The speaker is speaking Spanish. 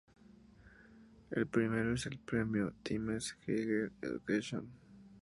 El primero es el premio "Times Higher Education".